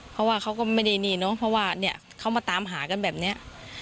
เพราะว่าเขาก็ไม่ได้นี่เนอะเพราะว่าเนี่ยเขามาตามหากันแบบนี้